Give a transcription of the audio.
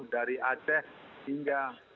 dari aceh hingga